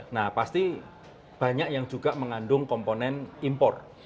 nah pasti banyak yang juga mengandung komponen impor